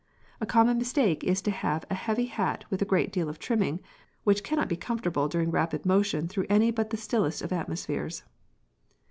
A common mistake is to have a heavy hat with a great deal of trimming, which cannot be comfortable during rapid motion through any but the stillest of atmospheres.